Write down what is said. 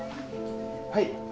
はい